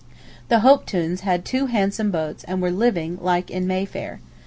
The Hopetouns had two handsome boats and were living like in May Fair.